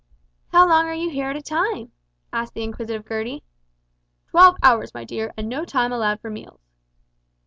"How long are you here at a time?" asked the inquisitive Gertie. "Twelve hours, my dear, and no time allowed for meals."